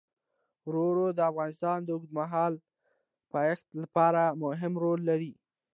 واوره د افغانستان د اوږدمهاله پایښت لپاره مهم رول لري.